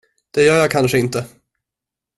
Det gör jag kanske inte.